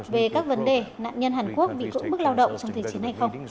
về các vấn đề nạn nhân hàn quốc bị cố mức lao động trong thời trình này không